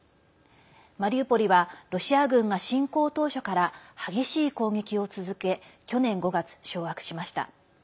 マリウポリはロシア軍が侵攻当初から激しい攻撃を続け去年５月、掌握しました。